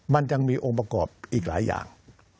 มันยังมีองค์ประกอบอีกหลายอย่าง